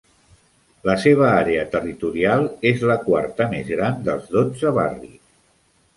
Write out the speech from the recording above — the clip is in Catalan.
La seva àrea territorial és la quarta més gran dels dotze barris.